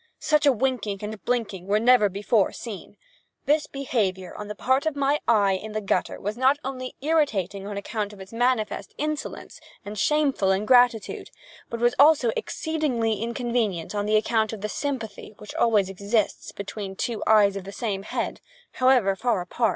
Such a winking and blinking were never before seen. This behavior on the part of my eye in the gutter was not only irritating on account of its manifest insolence and shameful ingratitude, but was also exceedingly inconvenient on account of the sympathy which always exists between two eyes of the same head, however far apart.